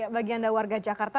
bagi anda warga jakarta